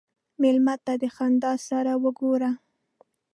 مېلمه ته د خندا سره وګوره.